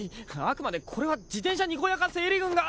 あくまでこれは自転車にこやか整理軍が。